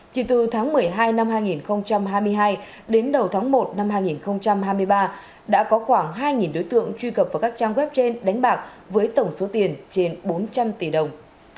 chỉ từ tháng một mươi hai năm hai nghìn hai mươi hai đến đầu tháng một năm hai nghìn hai mươi ba đã có khoảng hai đối tượng truy cập vào các trang web trên đánh bạc với tổng số tiền trên bốn trăm linh tỷ đồng